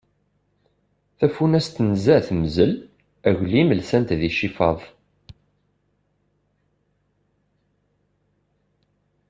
Tafunast tenza temzel, aglim lsan-t d icifaḍ.